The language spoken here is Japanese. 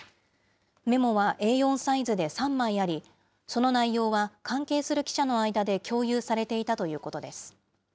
メモはＡ４サイズで３枚あり、その内容は関係する記者の間で共有されていたということです。